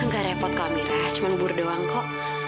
gak repot kamera cuma bubur doang kok